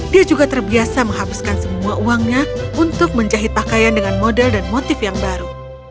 dia juga terbiasa menghabiskan semua uangnya untuk menjahit pakaian dengan model dan motif yang baru